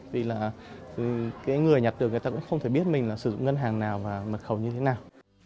vì là cái người nhặt được người ta cũng không thể biết mình là sử dụng ngân hàng nào và mật khẩu như thế nào